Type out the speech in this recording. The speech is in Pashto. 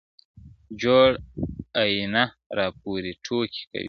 جوړ آئينه راپورې ټوکې کوي